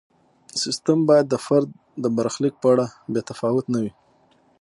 سیستم باید د فرد د برخلیک په اړه بې تفاوت نه وي.